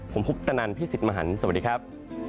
ผมคุปตนันพี่สิทธิ์มหันฯสวัสดีครับ